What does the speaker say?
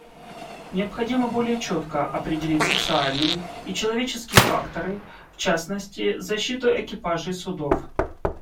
Необходимо более четко определять социальный и человеческий факторы, в частности, защиту экипажей судов.